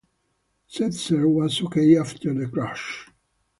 Setzer was okay after the crash.